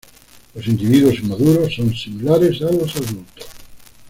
Los individuos inmaduros son similares a los adultos.